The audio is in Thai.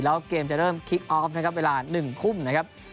แล้วเกมจะเริ่มคลิกออฟนะครับเวลา๑ทุ่มนะครับ